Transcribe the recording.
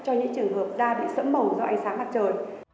cho những trường hợp da bị sẫm màu do ánh sáng mặt trời